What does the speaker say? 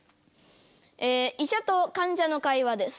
医者と患者の会話です。